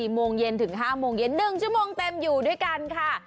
๔๕โมงเย็น๑ชั่วโมงเต็มอยู่ด้วยกันค่ะ